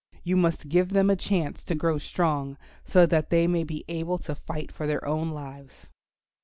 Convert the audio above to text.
You must give them a chance to grow strong, so that they may be able to fight for their own lives."